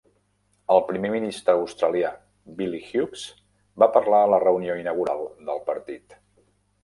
El primer ministre australià Billy Hughes, va parlar a la reunió inaugural del partit.